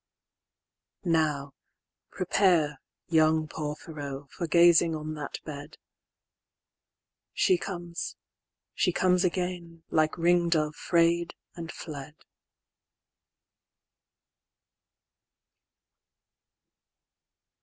Now prepare, Young Porphyro, for gazing on that bed; She comes, she comes again, like ring dove fray'd and fled.